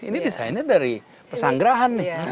ini desainnya dari pesanggerahan nih